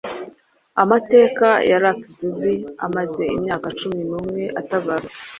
Amateka ya Lucky Dube umaze imyaka cumi numwe atabarutse